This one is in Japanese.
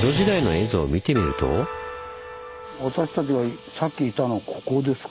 私たちがさっきいたのここですか。